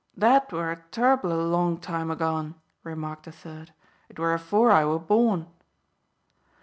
"That were a ter'ble long time agone," remarked a third. "It were afore I were born."